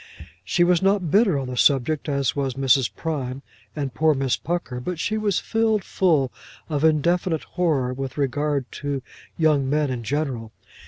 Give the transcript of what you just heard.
She was not bitter on the subject as was Mrs. Prime and poor Miss Pucker, but she was filled full of indefinite horror with regard to young men in general.